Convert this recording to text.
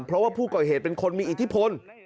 เพราะว่าผู้ก่อเหตุเป็นคนมีอิทธิพล